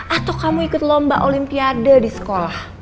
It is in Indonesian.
atau kamu ikut lomba olimpiade di sekolah